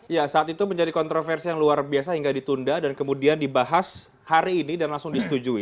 ya saat itu menjadi kontroversi yang luar biasa hingga ditunda dan kemudian dibahas hari ini dan langsung disetujui